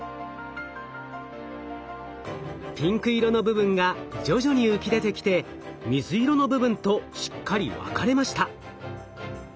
ピンク色の部分が徐々に浮き出てきて水色の部分としっかり分かれました。